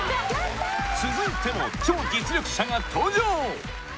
続いても超実力者が登場！